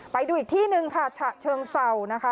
ไปดูอีกที่หนึ่งค่ะฉะเชิงเศร้านะคะ